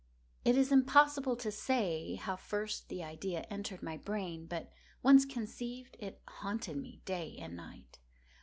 It is impossible to say how first the idea entered my brain; but once conceived, it haunted me day and night.